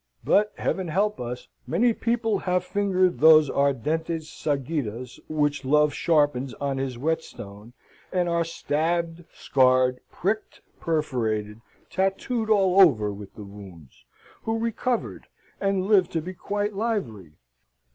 But, heaven help us! many people have fingered those ardentes sagittas which Love sharpens on his whetstone, and are stabbed, scarred, pricked, perforated, tattooed all over with the wounds, who recovered, and live to be quite lively.